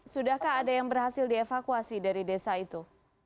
sudahkah ada yang berhasil dievakuasi dari desa itu